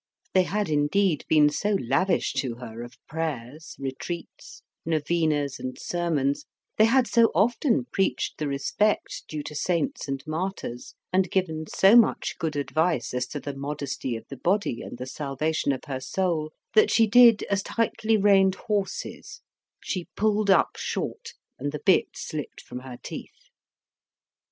They had indeed been so lavish to her of prayers, retreats, novenas, and sermons, they had so often preached the respect due to saints and martyrs, and given so much good advice as to the modesty of the body and the salvation of her soul, that she did as tightly reined horses; she pulled up short and the bit slipped from her teeth.